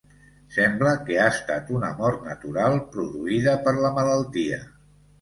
Sembla que ha estat una mort natural produïda per la malaltia.